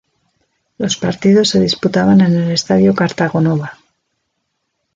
Los partidos se disputaban en el estadio Cartagonova.